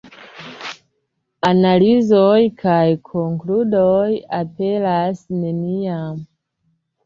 Analizoj kaj konkludoj aperas neniam.